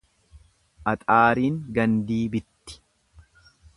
Axaariin gandii bitti.